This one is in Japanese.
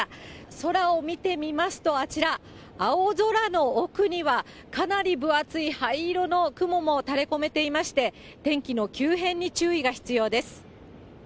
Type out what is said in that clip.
空を見てみますと、あちら、青空の奥にはかなり分厚い灰色の雲も垂れ込めていまして、天気の急変に注意が必要です。